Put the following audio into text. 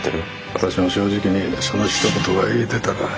私も正直にそのひと言が言えてたら。